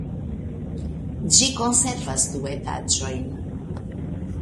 Ĝi konservas du etaĝojn.